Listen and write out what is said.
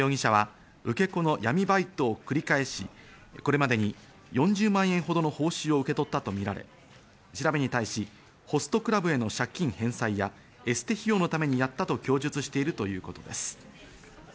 吉田容疑者は受け子の闇バイトを繰り返し、これまでに４０万円ほどの報酬を受け取ったとみられ、調べに対し、ホストクラブへの借金返済やエステ費用のためにやったと供述しているということです。